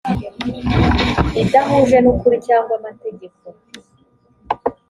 idahuje n ukuri cyangwa amategeko